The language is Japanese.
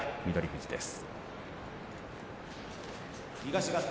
翠富士です。